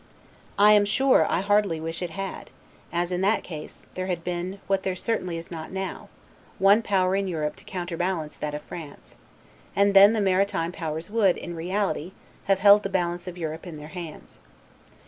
I am sure, I heartily wish it had; as, in that case, there had been, what there certainly is not now, one power in Europe to counterbalance that of France; and then the maritime powers would, in reality, have held the balance of Europe in their hands.